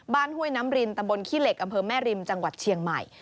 ห้วยน้ำรินตำบลขี้เหล็กอำเภอแม่ริมจังหวัดเชียงใหม่